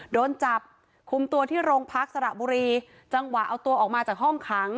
โดนจับคุมตัวที่โรงพักสระบุรีจังหวะเอาตัวออกมาจากห้องขัง